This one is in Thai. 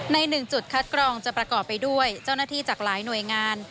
หนึ่งจุดคัดกรองจะประกอบไปด้วยเจ้าหน้าที่จากหลายหน่วยงาน